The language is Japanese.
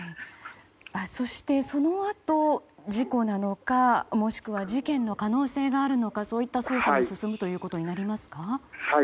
そしてそのあと事故なのか事件の可能性があるのかそういった捜査が進むということになりますか？